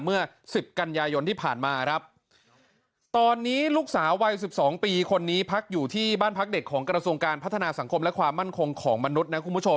เมื่อ๑๐กันยายนที่ผ่านมาครับตอนนี้ลูกสาววัย๑๒ปีคนนี้พักอยู่ที่บ้านพักเด็กของกระทรวงการพัฒนาสังคมและความมั่นคงของมนุษย์นะคุณผู้ชม